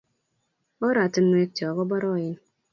oratinwekchok kobaraen